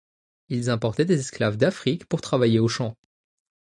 Ils importaient des esclaves d'Afrique pour travailler aux champs.